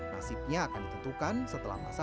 nasibnya akan ditentukan setelah masa